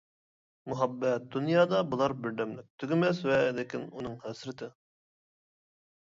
مۇھەببەت دۇنيادا بولار بىردەملىك، تۈگىمەس ۋە لېكىن ئۇنىڭ ھەسرىتى.